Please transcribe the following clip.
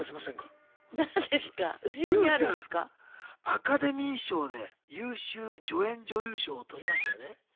アカデミー賞で優秀助演女優賞をとりましたよね？